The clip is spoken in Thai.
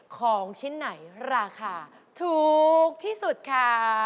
ของชิ้นไหนราคาถูกที่สุดค่ะ